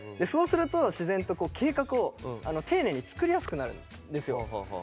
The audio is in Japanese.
そうすると自然と計画を丁寧に作りやすくなるんですよ。